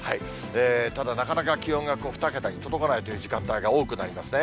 ただ、なかなか気温が２桁に届かないという時間帯が多くなりますね。